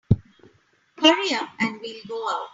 Hurry up and we'll go out.